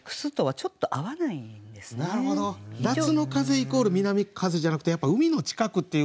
なるほど夏の風イコール南風じゃなくてやっぱ海の近くっていう。